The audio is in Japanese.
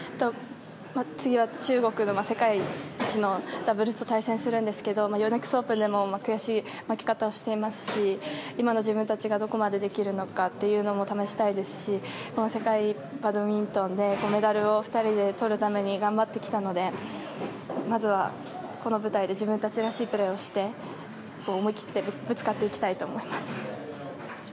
次は中国と世界一のダブルスと対戦するんですけどヨネックスオープンでも悔しい負け方をしていますし今の自分たちがどこまでできるのかということも試したいですし世界バドミントンでメダルを２人でとるために頑張ってきたのでまずはこの舞台で自分たちらしいプレーをして思い切ってぶつかっていきたいと思います。